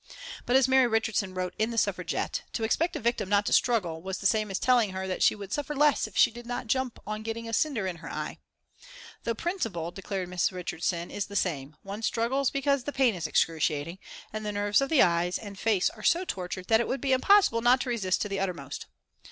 But, as Mary Richardson wrote in the Suffragette, to expect a victim not to struggle was the same as telling her that she would suffer less if she did not jump on getting a cinder in her eye. "The principle," declared Miss Richardson, "is the same. One struggles because the pain is excruciating, and the nerves of the eyes, ears and face are so tortured that it would be impossible not to resist to the uttermost.